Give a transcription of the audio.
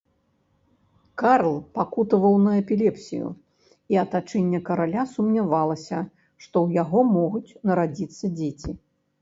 Карл пакутаваў на эпілепсію, і атачэнне караля сумнявалася, што ў яго могуць нарадзіцца дзеці.